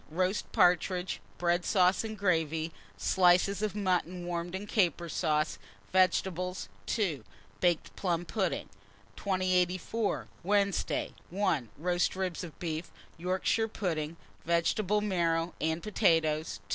Roast partridges, bread sauce, and gravy; slices of mutton warmed in caper sauce; vegetables. 2. Baked plum pudding. 2084. Wednesday. 1. Roast ribs of beef, Yorkshire pudding, vegetable marrow, and potatoes.